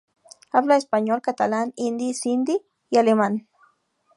Habla español, catalán, hindi, sindhi y alemán.